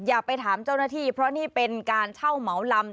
อย่าไปถามเจ้าหน้าที่เพราะนี่เป็นการเช่าเหมาลำ